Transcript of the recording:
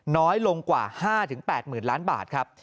น้อยลงกว่า๕๘๐๐๐ล้านบาทครับ